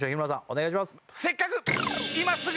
お願いします